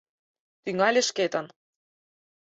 Тӱҥале шкетын.